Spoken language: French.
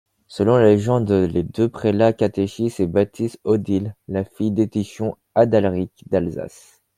Selon la légende les deux prélats catéchisent et baptisent Odile, la fille d'Etichon-Adalric d'Alsace.